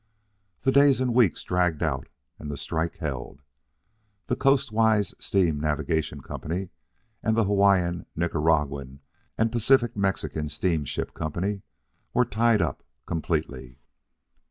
The days and weeks dragged out, and the strike held. The Coastwise Steam Navigation Company, and the Hawaiian, Nicaraguan, and Pacific Mexican Steamship Company were tied up completely.